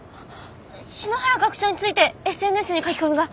篠原学長についてＳＮＳに書き込みが！